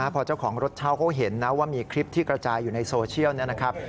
พอเจ้าของรถเช่าเขาเห็นนะว่ามีคลิปที่กระจายอยู่ในโซเชียลนะครับ